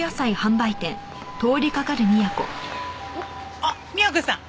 あっ美也子さん。